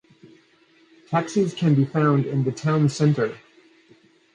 Taxis can be found in the town centre.